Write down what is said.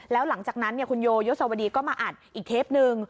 แล้วหลังจากนั้นคุณโยยศวดีก็มาอัดอีกเทปนึง